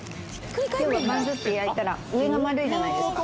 要はバンズって焼いたら上が丸いじゃないですか